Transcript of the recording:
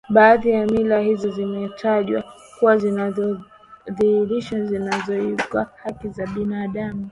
Baadhi ya mila hizo zimetajwa kuwa zinadhalilishi na zinakiuka haki za binadamu